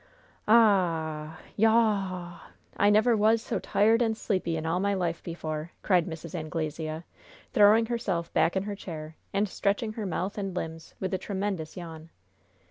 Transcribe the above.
"Ah h h! Yaw w w! I never was so tired and sleepy in all my life before!" cried Mrs. Anglesea, throwing herself back in her chair, and stretching her mouth and limbs with a tremendous yawn.